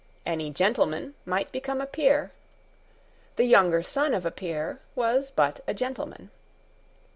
Any gentleman might become a peer. The younger son of a peer was but a gentleman.